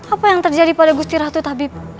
apa yang terjadi pada gusti ratu tabib